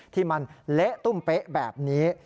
ที่มันเละตุ้มเป๊ะแบบนี้